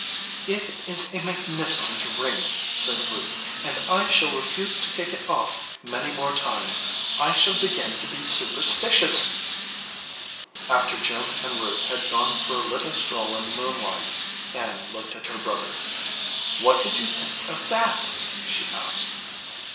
"It is a magnificent ring," said Ruth, "and I shall refuse to take it off many more times. I shall be gin to be superstitious." After Jim and Ruth had gone for a little stroll in the moonlight, Ann looked at her brother. "What d id you think of that?" she asked.